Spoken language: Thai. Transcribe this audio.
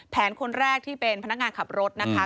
คนแรกที่เป็นพนักงานขับรถนะคะ